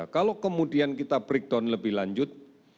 kalau kemudian kita breakdown lebih lanjut